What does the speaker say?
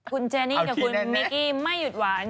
คุณเจนี่กับคุณมิกกี้ไม่หยุดหวาน